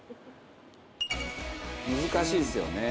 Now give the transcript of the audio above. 「難しいですよね。